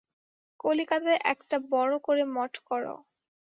কলিকাতায় একটা বড় করে মঠ কর।